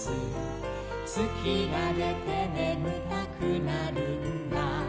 「つきがでてねむたくなるんだ」